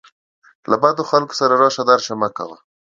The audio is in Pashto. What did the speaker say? له بدو خلکو سره راشه درشه مه کوه